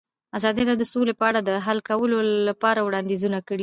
ازادي راډیو د سوله په اړه د حل کولو لپاره وړاندیزونه کړي.